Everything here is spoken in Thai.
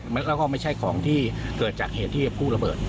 แล้วก็ไม่ใช่ของที่เกิดจากเหตุที่ผู้ระเบิด